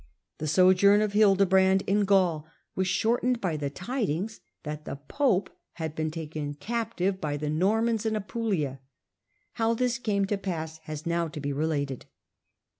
The sojourn of Hildebrand in Gaul was shortened by the tidings that the pope had been taken captive by the Normans in Apulia. How this came to pass has now to be related.